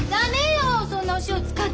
そんなお塩使っちゃ。